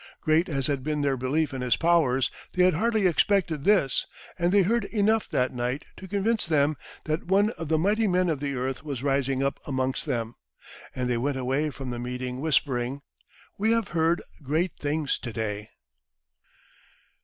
Great as had been their belief in his powers, they had hardly expected this, and they heard enough that night to convince them that one of the mighty men of the earth was rising up amongst them; and they went away from the meeting whispering, "We have heard great things to day."